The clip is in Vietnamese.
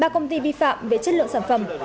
ba công ty vi phạm về chất lượng sản phẩm